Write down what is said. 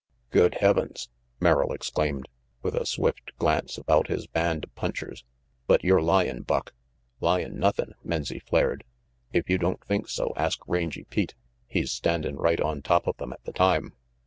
"Good heavens!" Merrill exclaimed, with a swift glance about his band of punchers, "but you're lyin', Buck." "Lyin' nothing," Menzie flared. "If you don't think so, ask Rangy Pete. He's standin' right on top of them at the time."